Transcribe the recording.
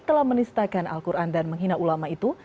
telah menistakan al quran dan menghina ulama itu